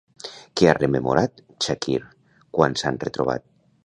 Què ha rememorat Chakir quan s'han retrobat?